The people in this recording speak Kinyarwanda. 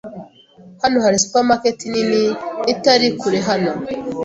Hano hari supermarket nini itari kure hano.